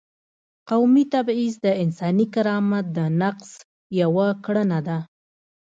قومي تبعیض د انساني کرامت د نقض یوه کړنه ده.